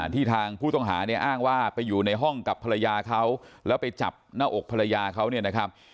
ที่ทางผู้ต้องหาเนี่ยอ้างว่าไปอยู่ในห้องกับภรรยาเขาแล้วไปจับหน้าอกภรรยาเขาเนี่ยนะครับ